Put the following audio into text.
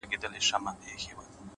د خپل جېبه د سگريټو يوه نوې قطۍ وا کړه،